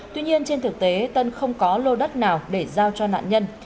tuy nhiên trên thực tế tân không có lô đất nào để giao cho nạn nhân